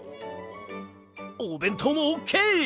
おべんとうもオッケー！